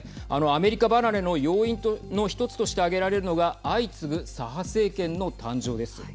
アメリカ離れの要因の一つとして挙げられるのが相次ぐ左派政権の誕生です。